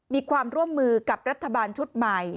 มีความร่วมมือกับรัฐบาลชุดใหม่